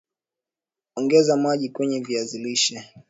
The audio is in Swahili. ongeza maji kwenye viazi lishe